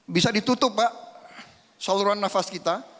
bisa ditutup pak saluran nafas kita